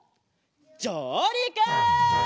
じょうりく！